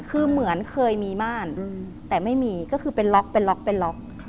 คือเหมือนเคยมีม่านแต่ไม่มีก็คือเป็นล็อก